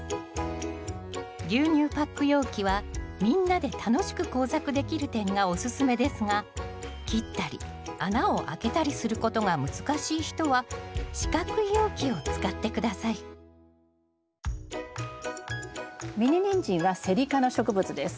牛乳パック容器はみんなで楽しく工作できる点がおすすめですが切ったり穴をあけたりすることが難しい人は四角い容器を使って下さいミニニンジンはセリ科の植物です。